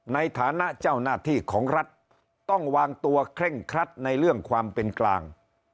ในฐานะเจ้าหน้าที่ของรัฐต้องวางตัวเคร่งครัดในเรื่องความเป็นกลาง